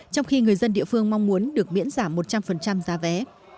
trong khi người dân địa phương mong muốn được miễn giảm một trăm linh giá vé